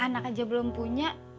anak aja belum punya